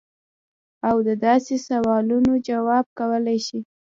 او د داسې سوالونو جواب کولے شي -